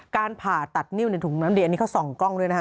การผ่าตัดนิ้วในถุงน้ำดีอันนี้เขาส่องกล้องด้วยนะฮะ